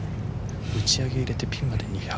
打ち上げ入れてピンまで２０５。